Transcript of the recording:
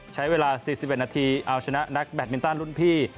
ใช้เวลา๔๑นาทีเอาชนะนักแบตมินตันรุ่นพี่